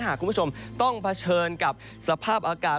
คุณผู้ชมต้องเผชิญกับสภาพอากาศ